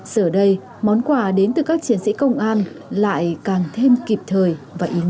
giờ đây món quà đến từ các chiến sĩ công an lại càng thêm kịp thời và yên